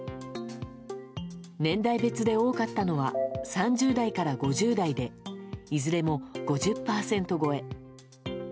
年代別で多かったのは３０代から５０代でいずれも５０％超え。